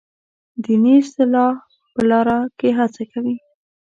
دیني اصلاح په لاره کې هڅه کوي.